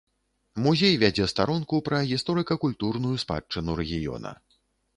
Музей вядзе старонку пра гісторыка-культурную спадчыну рэгіёна.